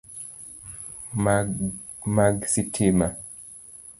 Mag sitima.